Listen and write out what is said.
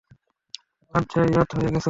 আজ যাই, রাত হয়ে গেছে।